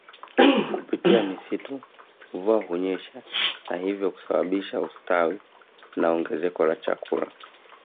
Kupitia misitu mvua hunyesha na hivyo kusababisha ustawi na ongezeko la chakula